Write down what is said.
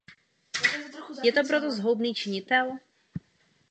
Je to proto zhoubný činitel?